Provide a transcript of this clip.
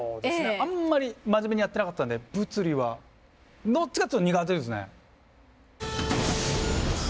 あんまり真面目にやってなかったんで「物理」はどっちかっつうと苦手ですね。